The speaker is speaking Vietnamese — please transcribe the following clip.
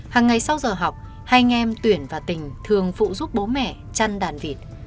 hàng ngày sau giờ học hai anh em tuyển và tình thường phụ giúp bố mẹ chăn đàn vịt